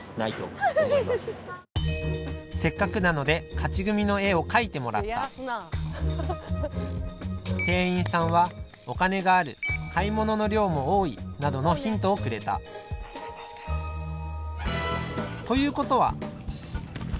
せっかくなので勝ち組の絵を描いてもらった店員さんは「お金がある」「買い物の量も多い」などのヒントをくれたということは。